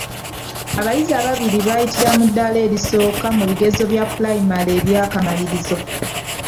Abayizi ababiri baayitira mu ddaala erisooka mu bigezo bya pulayimale eby'akamalirizo.